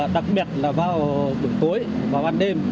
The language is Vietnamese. đặc biệt là vào buổi tối vào ban đêm